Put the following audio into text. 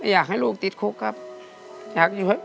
อยากให้ลูกติดคุกครับอยากช่วยลูกพ่อ